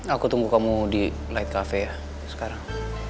aku tunggu kamu di light cafe ya sekarang